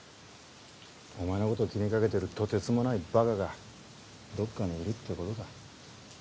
お前のことを気にかけてるとてつもないバカがどっかにいるってことだ。